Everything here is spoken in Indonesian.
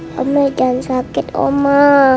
mama jangan sakit mama